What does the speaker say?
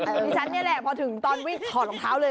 ดิฉันนี่แหละพอถึงตอนวิ่งถอดรองเท้าเลย